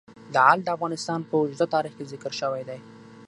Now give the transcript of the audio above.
لعل د افغانستان په اوږده تاریخ کې ذکر شوی دی.